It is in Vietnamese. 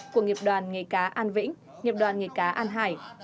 của nghiệp đoàn nghề cá an vĩnh nghiệp đoàn nghề cá an hải